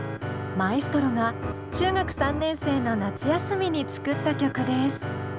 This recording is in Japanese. マエストロが中学３年生の夏休みに作った曲です。